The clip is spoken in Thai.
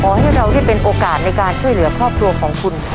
ให้เราได้เป็นโอกาสในการช่วยเหลือครอบครัวของคุณ